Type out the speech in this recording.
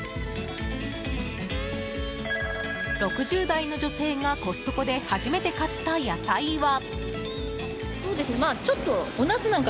６０代の女性がコストコで初めて買った野菜は。